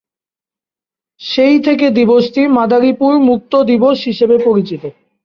সেই থেকে দিবসটি মাদারীপুর মুক্ত দিবস হিসেবে পরিচিত।